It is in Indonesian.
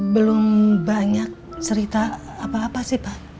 belum banyak cerita apa apa sih pak